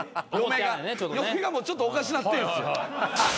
嫁がちょっとおかしなってんすよ。